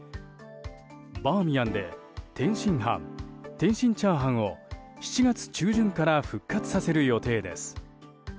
バーミヤンで天津飯、天津チャーハンを７月中旬から復活させる予定です。